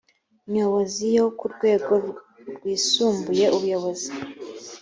nyobozi yo ku rwego rwisumbuye ubuyobozi